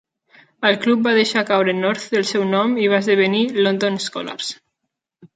El club va deixar caure "North" del seu nom i va esdevenir "London Skolars".